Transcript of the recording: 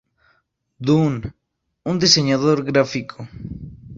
Dunn, un diseñador gráfico.